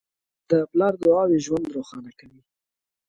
د پلار دعاوې ژوند روښانه کوي.